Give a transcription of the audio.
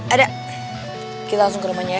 ada kita langsung ke rumahnya